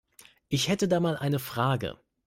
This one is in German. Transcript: Ich hätte da mal eine Frage.